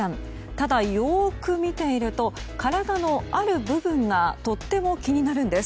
ただ、よく見ていると体のある部分がとっても気になるんです。